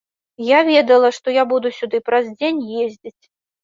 Я ведала, што я буду сюды праз дзень ездзіць.